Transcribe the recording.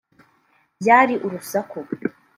Byari urusaku